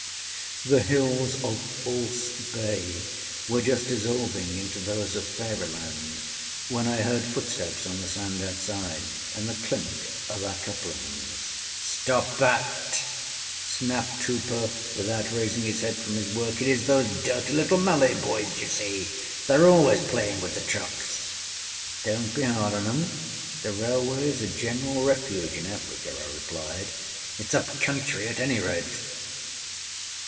The hills of False Bay were just dissolving into those of fairyland when I heard footsteps on the sand outside, and the clink of our couplings. âStop that!â snapped Hooper, without raising his head from his work. âItâs those dirty little Malay boys, you see: theyâre always playing with the trucksâ¦.â âDonât be hard on âem. The railwayâs a general refuge in Africa,â I replied. ââTisâup country at any rate.